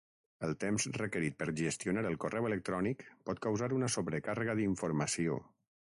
El temps requerit per gestionar el correu electrònic pot causar una sobrecàrrega d'informació.